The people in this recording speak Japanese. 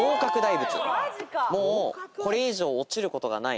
もうこれ以上落ちることがない。